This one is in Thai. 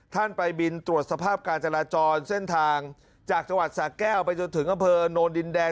ท่านไปบินตรวจสภาพการจราจรเส้นทางจากจังหวัดสะแก้วไปจนถึงอำเภอโนนดินแดง